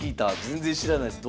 全然知らないです。